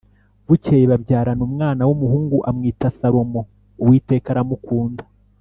Bukeye babyarana umwana w’umuhungu amwita Salomo, Uwiteka aramukunda